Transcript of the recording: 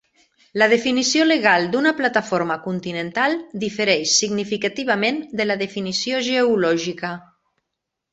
La definició legal d'una plataforma continental difereix significativament de la definició geològica.